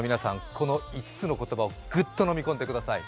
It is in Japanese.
この５つの言葉をグッと飲み込んでください。